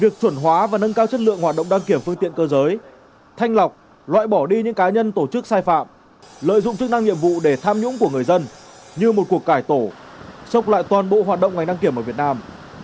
việc chuẩn hóa và nâng cao chất lượng hoạt động đăng kiểm phương tiện cơ giới thanh lọc loại bỏ đi những cá nhân tổ chức sai phạm lợi dụng chức năng nhiệm vụ để tham nhũng của người dân như một cuộc cải tổ sốc lại toàn bộ hoạt động ngành đăng kiểm ở việt nam